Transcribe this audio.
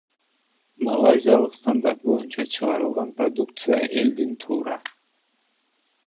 Малайзиялык стандарт боюнча чыгарылган продукция элдин туура